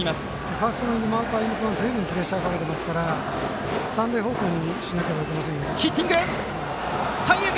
ファーストの今岡歩夢君はプレッシャーかけてますから三塁方向にしなければいけません。